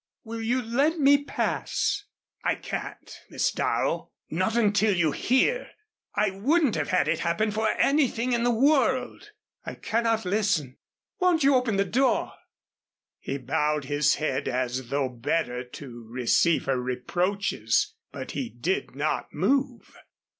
"Will you let me pass?" "I can't, Miss Darrow until you hear. I wouldn't have had it happen for anything in the world." "I cannot listen. Won't you open the door?" He bowed his head as though better to receive her reproaches, but he did not move.